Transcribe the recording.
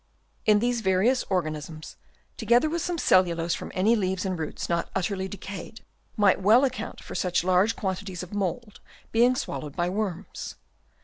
These various organisms, together with some cellulose from any leaves and roots not utterly decayed, might well account for such large quantities of mould being swallowed by worms.